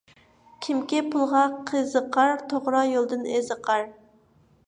كىمكى پۇلغا قىزىقار، توغرا يولدىن ئېزىقار.